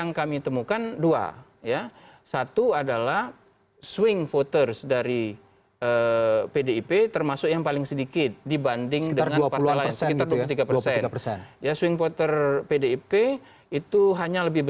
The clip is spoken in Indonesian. nah salah satu faktor itu adalah